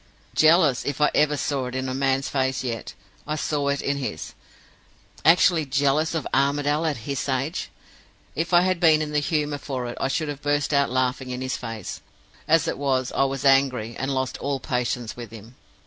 Jealous if ever I saw it in a man's face yet, I saw it in his actually jealous of Armadale at his age! If I had been in the humor for it, I should have burst out laughing in his face. As it was, I was angry, and lost all patience with him.